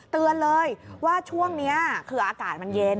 เตือนเลยว่าช่วงนี้คืออากาศมันเย็น